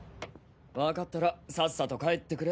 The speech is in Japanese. わかったらサッサと帰ってくれ！